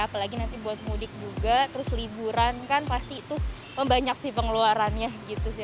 apalagi nanti buat mudik juga terus liburan kan pasti tuh banyak sih pengeluarannya gitu sih